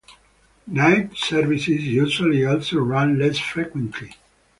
Night services usually also run less frequently.